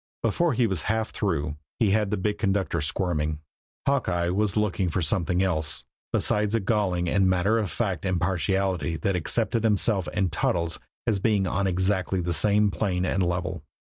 Before he was half through he had the big conductor squirming. Hawkeye was looking for something else besides a galling and matter of fact impartiality that accepted himself and Toddles as being on exactly the same plane and level.